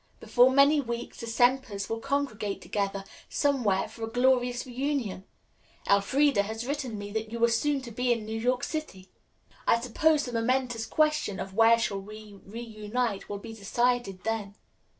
Before many weeks the Sempers will congregate together somewhere for a glorious reunion. Elfreda has written me that you are soon to be in New York City. I suppose the momentous question of 'Where shall we reunite?' will be decided then."